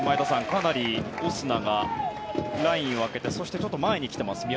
かなりオスナがラインを空けてそして前に来てますね。